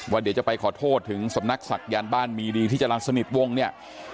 เดี๋ยวจะไปขอโทษถึงสำนักศักยันต์บ้านมีดีที่จรรย์สนิทวงเนี่ย